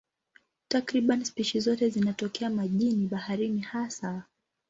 Takriban spishi zote zinatokea majini, baharini hasa.